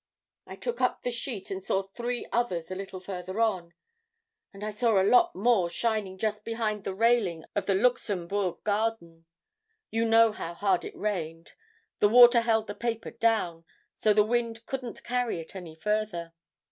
I took up the sheet and saw three others a little further on. And I saw a lot more shining just behind the railing of the Luxembourg Garden. You know how hard it rained. The water held the paper down, so the wind couldn't carry it any further.